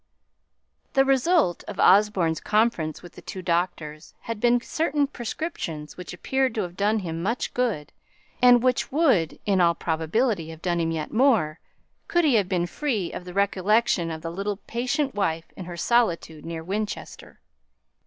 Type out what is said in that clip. The result of Osborne's conference with the two doctors had been certain prescriptions which appeared to have done him much good, and which would in all probability have done him yet more, could he have been free of the recollection of the little patient wife in her solitude near Winchester.